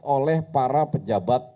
oleh para pejabat